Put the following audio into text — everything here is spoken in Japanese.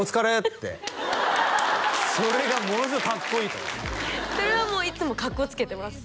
ってそれがものすごいかっこいいとそれはもういつもかっこつけてます